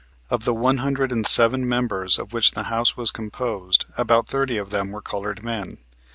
Of the one hundred and seven members of which the House was composed about thirty of them were colored men.